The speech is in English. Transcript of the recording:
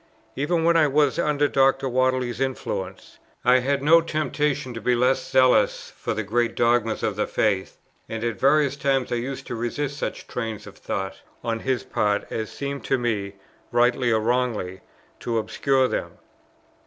Even when I was under Dr. Whately's influence, I had no temptation to be less zealous for the great dogmas of the faith, and at various times I used to resist such trains of thought on his part as seemed to me (rightly or wrongly) to obscure them.